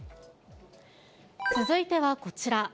続いてはこちら。